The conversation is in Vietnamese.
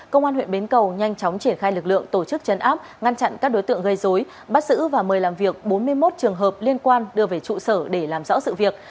công an huyện bến cầu nhanh chóng triển khai lực lượng tổ chức chấn áp ngăn chặn các đối tượng gây dối bắt giữ và mời làm việc bốn mươi một trường hợp liên quan đưa về trụ sở để làm rõ sự việc